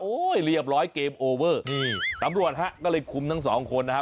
เรียบร้อยเกมโอเวอร์นี่ตำรวจฮะก็เลยคุมทั้งสองคนนะฮะ